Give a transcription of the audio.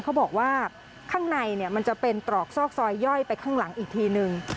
เขาบอกว่าข้างในมันจะเป็นตรอกซอกซอยย่อยไปข้างหลังอีกทีนึง